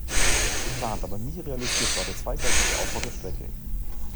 Geplant, aber nie realisiert, war der zweigleisige Ausbau der Strecke.